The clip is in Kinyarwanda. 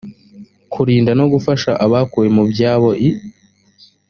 kurinda no gufasha abakuwe mu byabo i